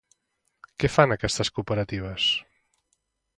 Què fan aquestes cooperatives?